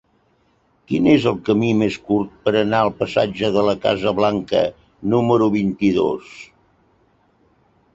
Quin és el camí més curt per anar al passatge de la Casa Blanca número vint-i-dos?